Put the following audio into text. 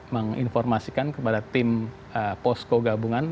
menginformasikan kepada tim posko gabungan